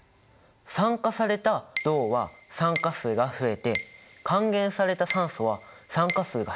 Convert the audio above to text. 酸化された銅は酸化数が増えて還元された酸素は酸化数が減ってるんだ。